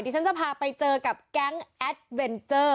ฉันจะพาไปเจอกับแก๊งแอดเวนเจอร์